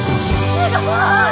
すごい！